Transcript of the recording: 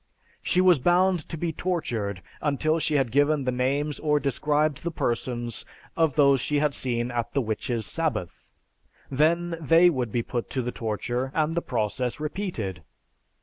She was bound to be tortured until she had given the names or described the persons of those she had seen at the "witches' sabbath." Then they would be put to the torture and the process repeated.